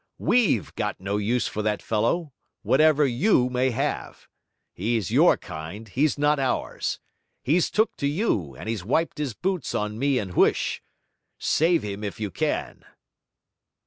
WE'VE got no use for that fellow, whatever you may have. He's your kind, he's not ours; he's took to you, and he's wiped his boots on me and Huish. Save him if you can!'